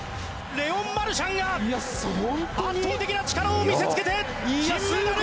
レオン・マルシャンが圧倒的な力を見せつけて金メダル！